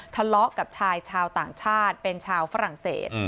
ทะเลาะกับชายชาวต่างชาติเป็นชาวฝรั่งเศส